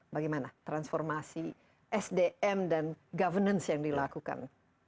bagaimana transformasi sdm dan governance yang dilakukan